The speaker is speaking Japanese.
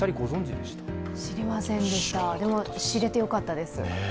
でも、知れてよかったです。